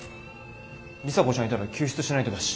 里紗子ちゃんいたら救出しないとだし。